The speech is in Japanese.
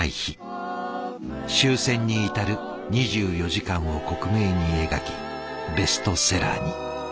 終戦に至る２４時間を克明に描きベストセラーに。